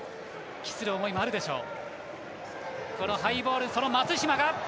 期する思いもあるでしょう。